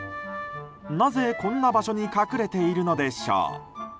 なぜ、こんな場所に隠れているのでしょう。